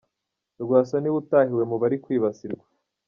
Rwasa ni we utahiwe mu bari kwibasirwa.